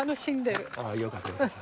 よかった。